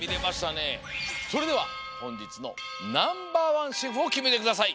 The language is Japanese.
それではほんじつのナンバーワンシェフをきめてください。